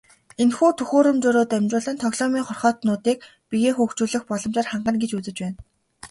Энэхүү төхөөрөмжөөрөө дамжуулан тоглоомын хорхойтнуудыг биеэ хөгжүүлэх боломжоор хангана гэж үзэж байна.